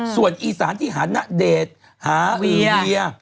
ส่วนอีสานที่หาณเดชน์หาวีเวีย